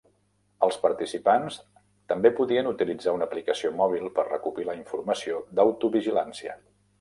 Els participants també podien utilitzar una aplicació mòbil per recopilar informació d'autovigilància.